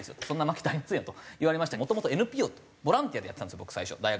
そんな期待すんなと言われましてもともとＮＰＯボランティアでやってたんですよ